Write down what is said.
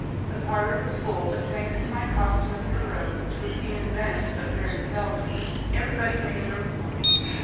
The parlour was full, but thanks to my costume of Pierrot, which was seen in Venice but very seldom, everybody made room for me.